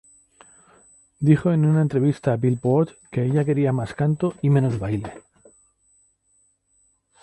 Dijo en una entrevista a "Billboard" que ella quería mas canto y menos baile.